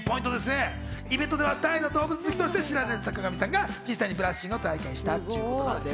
イベントでは大の動物好きとして知られる坂上さんが実際にブラッシングを体験しました。